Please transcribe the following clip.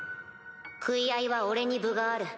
食い合いは俺に分がある。